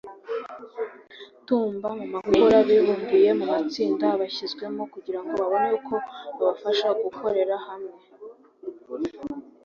Tumba na Mukura bibumbiye mu matsinda bashyizwemo kugira ngo babone uko babafasha gukorera hamwe